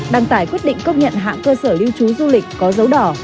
đăng tải quyết định công nhận hạng cơ sở lưu trú du lịch có dấu đỏ